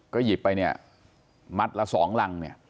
ก็หยิบไปมัดละ๒ลัง